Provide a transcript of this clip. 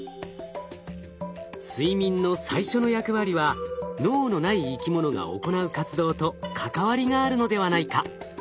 睡眠の最初の役割は脳のない生きものが行う活動と関わりがあるのではないか？